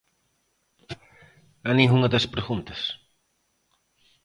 A ningunha das preguntas.